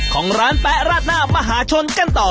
ของร้านแป๊ะราดหน้ามหาชนกันต่อ